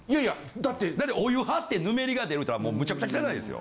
だってお湯張ってヌメリが出る言うたらむちゃくちゃ汚いですよ。